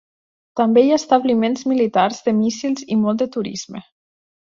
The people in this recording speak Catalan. També hi ha establiments militars de míssils i molt de turisme.